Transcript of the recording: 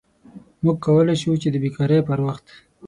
موږ کولی شو چې د بیکارۍ پر وخت